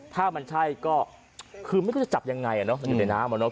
ถ้ามันใช่ก็คือไม่รู้จะจับยังไงมันอยู่ในน้ำอะเนาะ